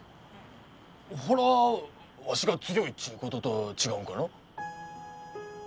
ほらわしが強いっちゅうことと違うんかの？